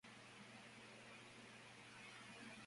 Jugó en el Harvard-Westlake School, en Los Ángeles, California.